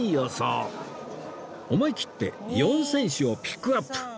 思い切って４選手をピックアップ